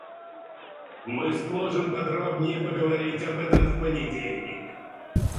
Мы сможем подробнее поговорить об этом в понедельник.